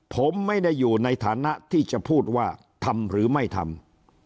ผมไม่ได้อยู่ในฐานะที่จะพูดว่าทำหรือไม่ทำ